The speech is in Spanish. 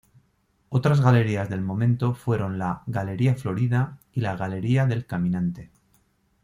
Otras galerías del momento fueron la "Galería Florida" y la "Galería del Caminante".